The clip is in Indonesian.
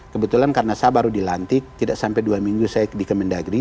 kebetulan karena saya baru dilantik tidak sampai dua minggu saya di kemendagri